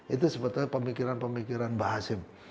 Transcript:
itu sebetulnya pemikiran pemikiran mbah hashim